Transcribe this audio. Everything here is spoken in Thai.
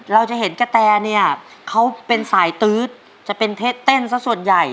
เราจะเห็นกระแตเนี่ยเขาเป็นสายตื๊ดจะเป็นเท็จเต้นสักส่วนใหญ่